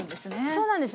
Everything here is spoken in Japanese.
そうなんです。